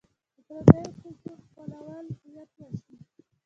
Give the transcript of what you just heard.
د پردیو کلتور خپلول هویت وژني.